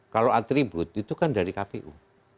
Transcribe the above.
kalau atribut itu kan dari kpu